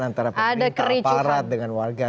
antara pemerintah aparat dengan warga